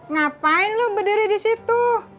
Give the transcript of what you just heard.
ngapain lo berdiri di situ